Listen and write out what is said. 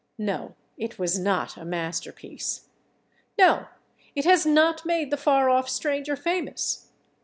No, it was not a masterpiece. No, it has not made the far off stranger famous.